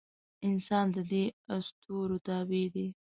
انسان د دې اسطورو تابع دی.